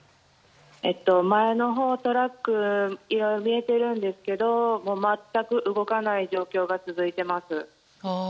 前のほうにトラックが見えてるんですけど全く動かない状況が続いています。